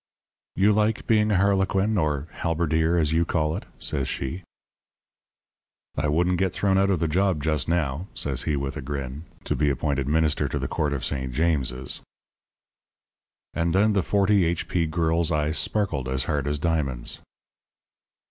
"'You like being a harlequin or halberdier, as you call it?' says she. "'I wouldn't get thrown out of the job just now,' says he, with a grin, 'to be appointed Minister to the Court of St. James's.' "And then the 40 H.P. girl's eyes sparkled as hard as diamonds.